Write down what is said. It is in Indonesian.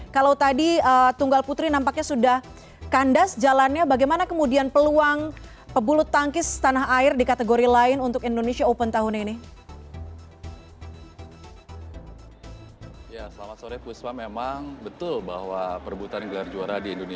kalau tadi tunggal putri nampaknya sudah kandas jalannya bagaimana kemudian peluang pebulu tangkis tanah air di kategori lain untuk indonesia open tahun ini